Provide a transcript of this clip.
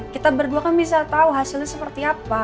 kita berdua kan bisa tahu hasilnya seperti apa